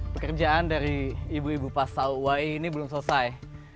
pekerjaan dari ibu ibu pasal wai ini belum selesai